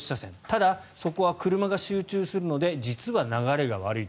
ただそこは車が集中するので実は流れが悪い。